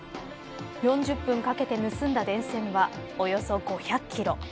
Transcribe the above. ４０分かけて盗んだ電線はおよそ５００キロ。